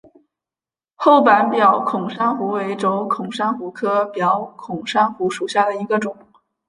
厚板表孔珊瑚为轴孔珊瑚科表孔珊瑚属下的一个种。